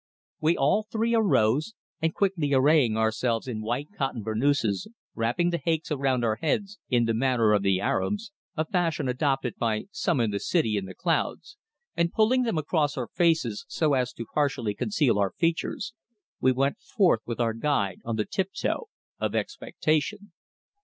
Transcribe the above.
We all three arose, and quickly arraying ourselves in white cotton burnouses, wrapping the haicks around our heads in the manner of the Arabs a fashion adopted by some in the City in the Clouds and pulling them across our faces, so as to partially conceal our features, we went forth with our guide on the tiptoe of expectation.